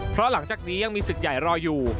เพราะหลังจากนี้ยังมีศึกใหญ่รออยู่